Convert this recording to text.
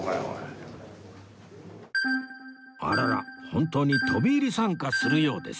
あらら本当に飛び入り参加するようです